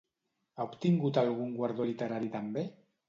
Ha obtingut algun guardó literari també?